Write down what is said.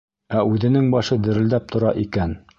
Ә үҙенең башы дерелдәп тора икән.